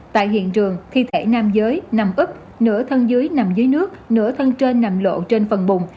tại hiện trường thi thể nam giới nằm ứp nửa thân dưới nằm dưới nước nửa thân trên nằm lộ trên phần bùng